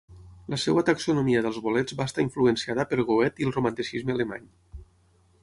La seva taxonomia dels bolets va estar influenciada per Goethe i el Romanticisme alemany.